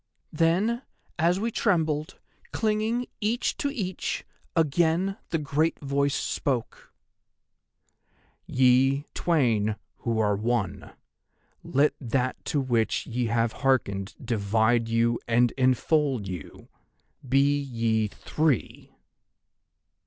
"'Then, as we trembled, clinging each to each, again the great Voice spoke: "'"Ye twain who are One—let That to which ye have hearkened divide you and enfold you! Be ye Three!"